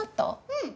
うん！